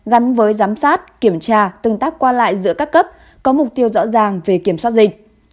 gắn với giám sát kiểm tra tương tác qua lại giữa các cấp có mục tiêu rõ ràng về kiểm soát dịch